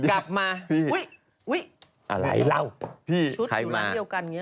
กลับมาอุ๊ยอุ๊ยอะไรเราชุดอยู่ร้านเดียวกันอย่างนี้